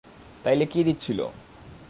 তাইলে কী দিচ্ছিল?